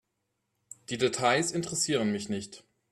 Die Details interessieren mich nicht.